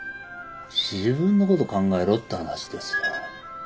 自分のこと考えろって話ですよ。